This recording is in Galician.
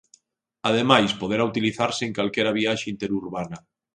Ademais, poderá utilizarse en calquera viaxe interurbana.